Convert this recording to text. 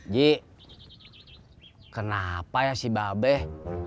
ji kenapa ya si babe